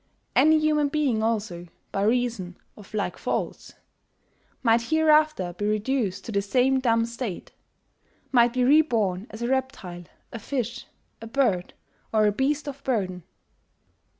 Any human being also, by reason of like faults, might hereafter be reduced to the same dumb state, might be reborn as a reptile, a fish, a bird, or a beast of burden.